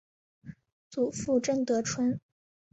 祖父郑得春。